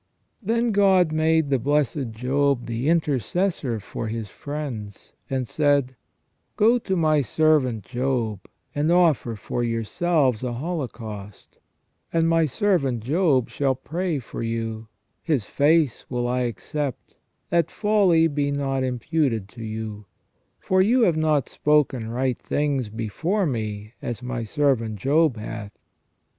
* Then God made the blessed Job the intercessor for his friends, and said: "Go to my servant Job, and offer for yourselves a holo * S. Greg. Mag., Moral, in Job, lib. xxxv., c. 5. x68 SELF AND CONSCIENCE. caust : and my servant Job shall pray for you : his face will I accept, that folly be not imputed to you : for you have not spoken right things before me, as my servant Job hath.